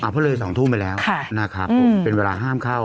อ่ะเพราะเลยสองทุ่มไปแล้วค่ะนะครับอืมเป็นเวลาห้ามเข้า